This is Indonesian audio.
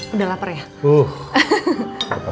udah lapar ya